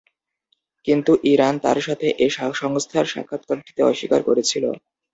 কিন্তু ইরান তার সাথে এ সংস্থার সাক্ষাৎকার দিতে অস্বীকার করেছিল।